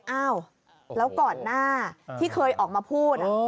อ้าวแล้วก่อนหน้าที่เคยออกมาพูด